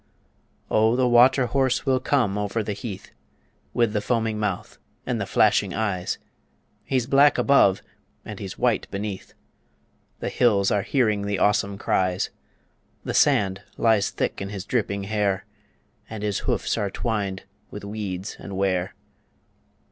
O the Water Horse will come over the heath, With the foaming mouth and the flashing eyes, He's black above and he's white beneath The hills are hearing the awesome cries; The sand lies thick in his dripping hair, And his hoofs are twined with weeds and ware.